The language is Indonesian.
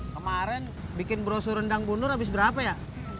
kemaren bikin brosur rendang bu nur habis berapa ya